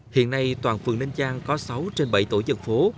hiện nay toàn phường ninh giang có sáu trên bảy tổ dân phố